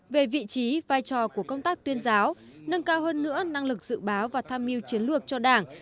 về vị trí vai trò của công tác tuyên giáo nâng cao hơn nữa năng lực dự báo và tham mưu chiến lược cho đảng